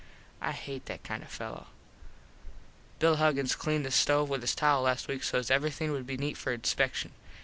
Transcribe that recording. I hate that kind of a fello. Bill Huggins cleaned the stove with his towel last week sos everything would be neet for inspecshun.